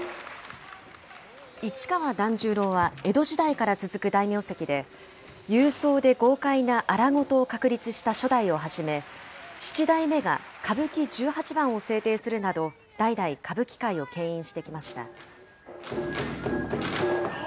市川團十郎は江戸時代から続く大名跡で、勇壮で豪快な荒事を確立した初代をはじめ、七代目が歌舞伎十八番を制定するなど、代々歌舞伎界をけん引してきました。